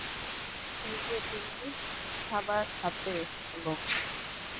এই যে তুমি, খাবার হাতে, বলো!